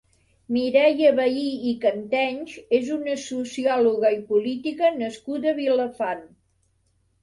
Mireia Vehí i Cantenys és una sociòloga i política nascuda a Vilafant.